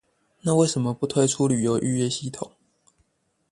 那為什麼不推出旅遊預約系統